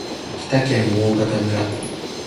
秋田県大潟村